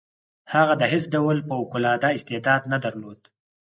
هغه د هیڅ ډول فوق العاده استعداد نه درلود.